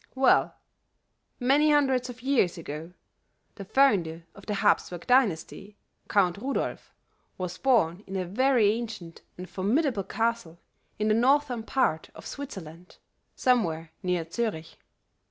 "Well, many hundreds of years ago, the founder of the Habsburg dynasty, Count Rudolph, was born in a very ancient and formidable castle in the northern part of Switzerland, somewhere near Zurich.